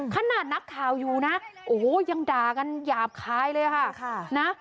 ขนาดนักข่าวอยู่นะโอ้โหยังด่ากันหยาบคายเลยค่ะนะ